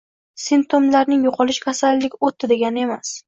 Simptomlarning yo‘qolishi kasallik o‘tdi, degani emas